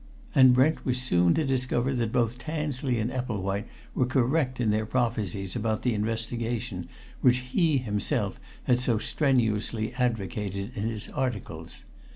And Brent was soon to discover that both Tansley and Epplewhite were correct in their prophecies about the investigation which he himself had so strenuously advocated in his articles.